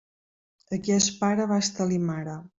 A qui es pare basta-li mare.